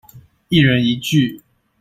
一人一句